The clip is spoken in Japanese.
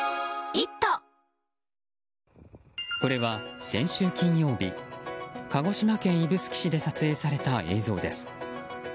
これは先週金曜日鹿児島県指宿市で撮影された映像です。